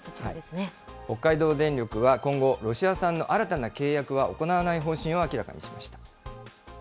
北海道電力は今後、ロシア産の新たな契約は行わない方針を明らかにしました。